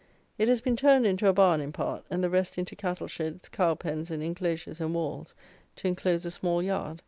It has been turned into a barn, in part, and the rest into cattle sheds, cow pens, and inclosures and walls to inclose a small yard.